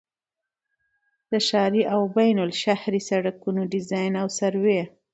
د ښاري او بینالشهري سړکونو ډيزاين او سروې